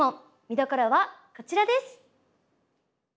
みどころはこちらです！